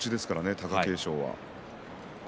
貴景勝は。